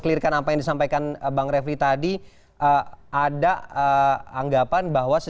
clear nya nanti mas doni akan jawab